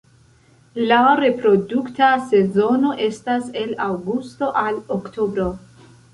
La reprodukta sezono estas el aŭgusto al oktobro.